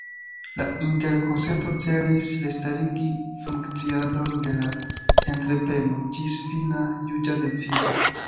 La interkonsento celis restarigi funkciadon de la entrepreno ĝis fina juĝa decido.